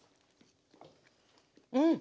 うん！